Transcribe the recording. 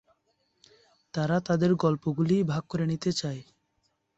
তারা তাদের গল্প গুলি ভাগ করে নিতে চায়।